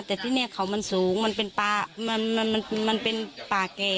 แต่ที่เนี่ยเขามันสูงมันเป็นป่าแก่